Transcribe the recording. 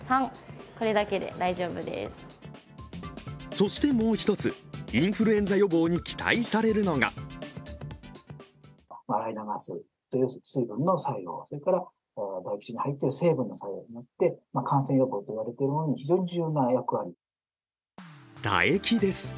そして、もう一つ、インフルエンザ予防に期待されるのが唾液です。